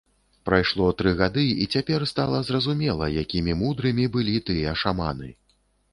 Прайшло тры гады, і цяпер стала зразумела, якімі мудрымі былі тыя шаманы.